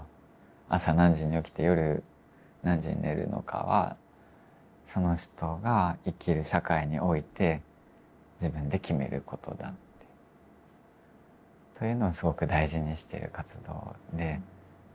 朝何時に起きて夜何時に寝るのかはその人が生きる社会において自分で決めることだって。というのをすごく大事にしている活動で。